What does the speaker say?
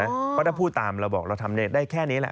เพราะถ้าพูดตามเราบอกเราทำได้แค่นี้แหละ